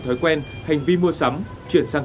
thói quen hành vi mua sắm chuyển sang